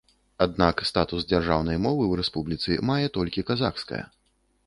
Аднак статус дзяржаўнай мовы ў рэспубліцы мае толькі казахская.